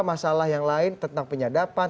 masalah yang lain tentang penyadapan